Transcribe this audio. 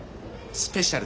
スペシャル。